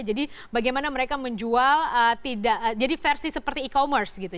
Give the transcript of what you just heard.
jadi bagaimana mereka menjual jadi versi seperti e commerce gitu